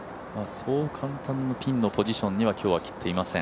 そう簡単にピンのポジションには今日は切っていません。